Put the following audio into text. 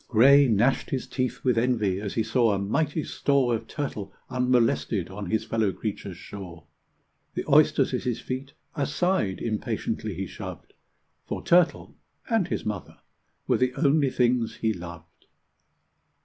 Gray gnashed his teeth with envy as he saw a mighty store Of turtle unmolested on his fellow creature's shore. The oysters at his feet aside impatiently he shoved, For turtle and his mother were the only things he loved.